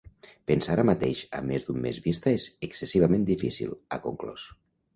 Pensar ara mateix a més d’un mes vista és excessivament difícil, ha conclòs.